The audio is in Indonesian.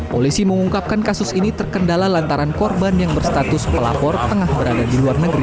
polisi mengungkapkan kasus ini terkendala lantaran korban yang berstatus pelapor tengah berada di luar negeri